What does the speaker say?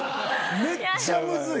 めっちゃむずい。